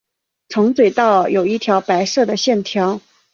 从嘴到耳有一道白色的线条。